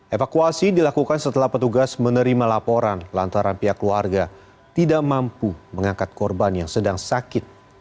evakuasi dilakukan setelah petugas menerima laporan lantaran pihak keluarga tidak mampu mengangkat korban yang sedang sakit